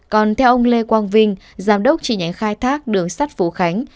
còn theo ông lê quang vinh giám đốc tri nhánh khai thác đường sắt phú khánh